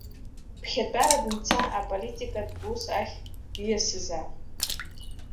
Ԥхьатәара данца аполитикатә ус ахь диасызаап.